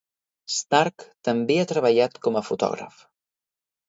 Stark també ha treballat com a fotògraf.